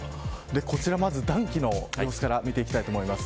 こちら、まず暖気の様子から見ていきたいと思います。